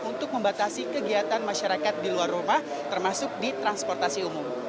untuk membatasi kegiatan masyarakat di luar rumah termasuk di transportasi umum